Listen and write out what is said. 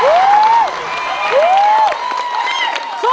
โซ่มั้นโซ่